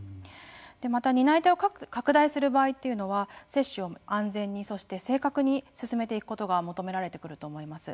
また、担い手を拡大する場合というのは接種を安全にそして正確に進めていくことが求められてくると思います。